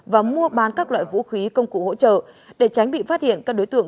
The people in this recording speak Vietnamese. và mua bán các loại vũ khí công cụ hỗ trợ để tránh bị phát hiện các đối tượng